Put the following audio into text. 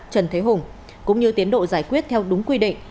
trần thế hùng cũng như tiến độ giải quyết theo đúng quy định